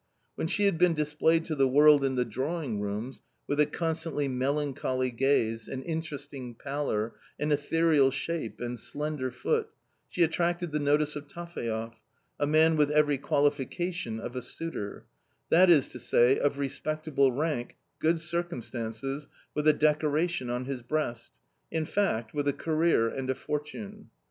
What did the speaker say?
When she had been displayed to the world in the drawing rooms, with a constantly melancholy gaze, an interesting pallor, an ethereal shape, and slender foot, she attracted the notice of Taphaev, a man with every qualification of a suitor ; that is to say, of respectable rank, good circumstances, with a decoration on his breast — in fact, with a career and a fortune.